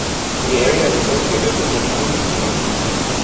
The area is associated with the Druze community.